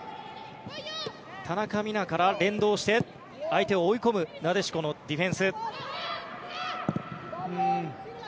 田中美南から連動して相手を追い込むなでしこのディフェンス。